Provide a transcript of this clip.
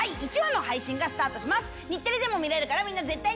日テレでも見れるから。